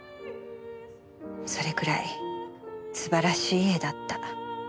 それくらい素晴らしい絵だった。